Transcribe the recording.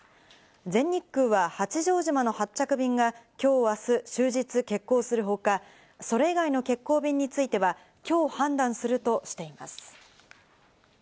全日空は八丈島の発着便がきょうはあす終日欠航する他、それ以外の欠航便については、きょう判断するとしています。